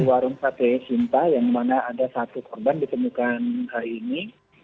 warung sate simpa yang mana ada satu korban ditemukan hari ini